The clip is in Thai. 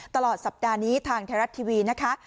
ตลอดสัปดาห์นี้ทางไทยรัฐทีวีนะคะ